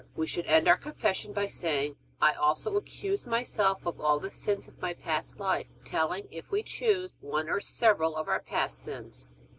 We should end our Confession by saying, I also accuse myself of all the sins of my past life, telling, if we choose, one or several of our past sins.